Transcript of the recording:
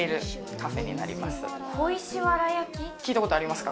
聞いたことありますか？